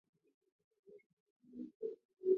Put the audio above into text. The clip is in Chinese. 他也是勃兰登堡藩侯。